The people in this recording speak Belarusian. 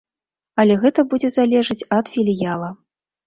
Але гэта будзе залежыць ад філіяла.